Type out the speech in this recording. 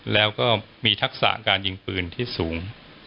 แล้วก็มีทักษะการยิงปืนที่สูง